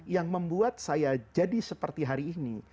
yang membuat saya jadi seperti hari ini